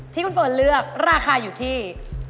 ที่คุณเฟิร์นเลือกราคาอยู่ที่